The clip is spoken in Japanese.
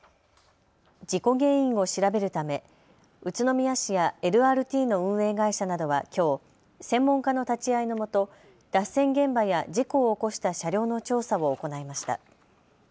事故原因を調べるため宇都宮市やＬＲＴの運営会社などはきょう、専門家の立ち会いのもと脱線現場や事故を起こした車両の調査を行いました。